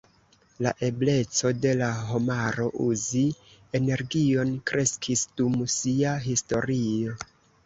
La ebleco de la homaro, uzi energion, kreskis dum sia historio.